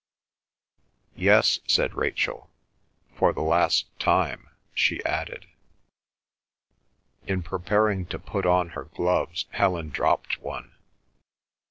"Yes," said Rachel. "For the last time," she added. In preparing to put on her gloves, Helen dropped one.